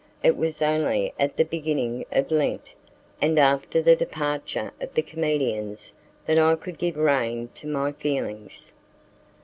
It was only at the beginning of Lent, and after the departure of the comedians, that I could give rein to my feelings.